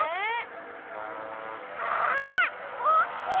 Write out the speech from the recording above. あおっきい！